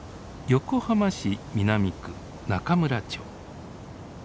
横浜市南区中村町。